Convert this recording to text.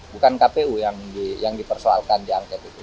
bukan kpu yang dipersoalkan di angket itu